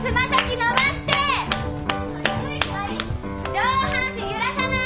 上半身揺らさない！